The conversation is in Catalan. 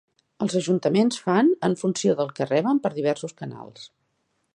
Els ajuntaments fan en funció del que reben per diversos canals.